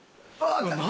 何？